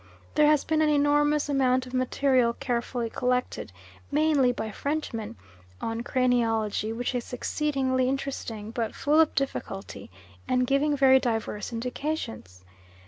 There has been an enormous amount of material carefully collected, mainly by Frenchmen, on craniology, which is exceedingly interesting, but full of difficulty, and giving very diverse indications.